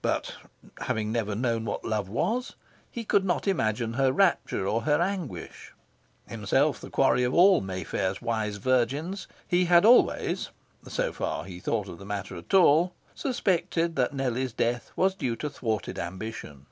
But, having never known what love was, he could not imagine her rapture or her anguish. Himself the quarry of all Mayfair's wise virgins, he had always so far as he thought of the matter at all suspected that Nellie's death was due to thwarted ambition.